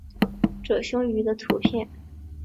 褶胸鱼的图片